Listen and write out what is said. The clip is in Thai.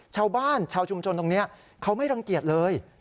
ชาวบ้านชาวชุมชนตรงนี้เขาไม่รังเกียจเลย